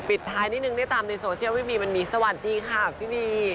ปิดท้ายนิดนึงได้ตามในโซเชียลไม่มีมันมีสวัสดีค่ะพี่บี